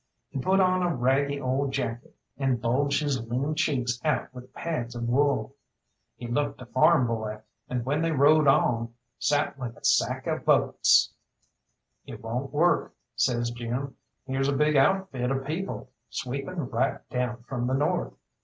He put on a raggy old jacket, and bulged his lean cheeks out with pads of wool. He looked a farm boy, and when they rode on, sat like a sack of oats. "It won't work," says Jim, "here's a big outfit of people sweeping right down from the north.